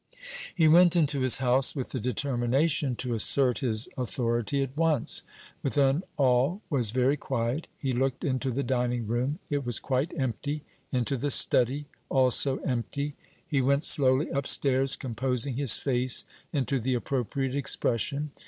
He went into his house with the determination to assert his authority at once. Within all was very quiet. He looked into the dining room it was quite empty; into the study also empty. He went slowly upstairs, composing his face into the appropriate expression.